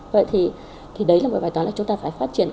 vậy thì đấy là một bài toán là chúng ta phải phát triển